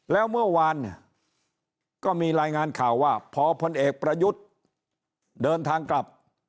แล้วเมื่อวานเนี่ยก็มีรายงานข่าวว่าพอพลเอกประยุทธ์เดินทางกลับ